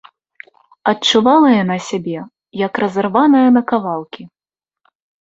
Адчувала яна сябе, як разарваная на кавалкі.